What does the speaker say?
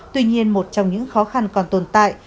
tuy nhiên một trong những khó khăn còn tồn tại